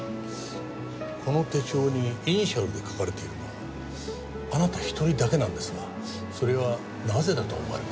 この手帳にイニシャルで書かれているのはあなた一人だけなんですがそれはなぜだと思われますか？